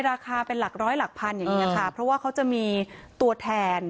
ราคาเป็นหลักร้อยหลักพันอย่างนี้ค่ะเพราะว่าเขาจะมีตัวแทน